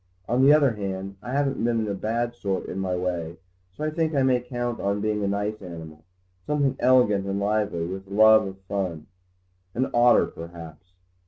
On the other hand, I haven't been a bad sort in my way, so I think I may count on being a nice animal, something elegant and lively, with a love of fun. An otter, perhaps."